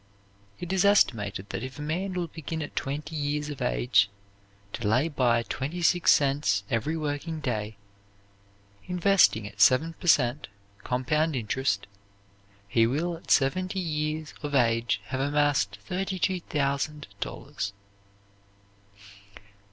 It is estimated that if a man will begin at twenty years of age to lay by twenty six cents every working day, investing at seven per cent. compound interest, he will at seventy years of age have amassed thirty two thousand dollars.